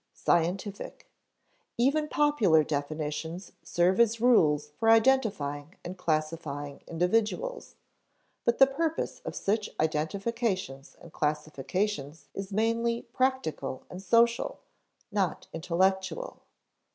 Scientific. Even popular definitions serve as rules for identifying and classifying individuals, but the purpose of such identifications and classifications is mainly practical and social, not intellectual.